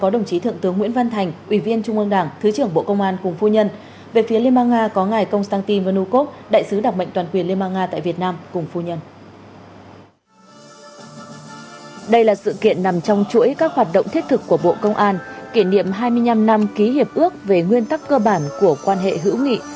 động thiết thực của bộ công an kỷ niệm hai mươi năm năm ký hiệp ước về nguyên tắc cơ bản của quan hệ hữu nghị